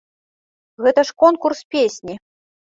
Гэта ж конкурс песні!